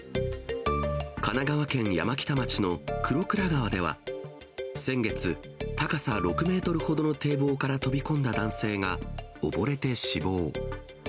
神奈川県山北町の玄倉川では、先月、高さ６メートルほどの堤防から飛び込んだ男性が、溺れて死亡。